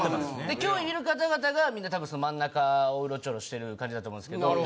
今日いる方々がみんなたぶん真ん中をうろちょろしてる感じだと思うんですけど。